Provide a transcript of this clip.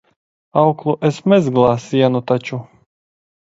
Auklu es mezglā sienu taču.